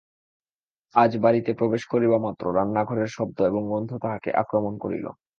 আজ বাড়িতে প্রবেশ করিবামাত্র রান্নাঘরের শব্দ এবং গন্ধ তাহাকে আক্রমণ করিল।